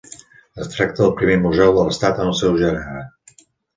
Es tracta del primer museu de l’estat en el seu gènere.